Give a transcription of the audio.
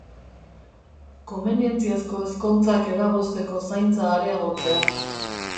Komenientziazko ezkontzak eragozteko zaintza areagotzea.